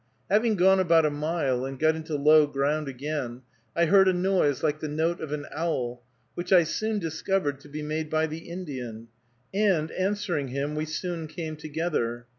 Having gone about a mile, and got into low ground again, I heard a noise like the note of an owl, which I soon discovered to be made by the Indian, and, answering him, we soon came together.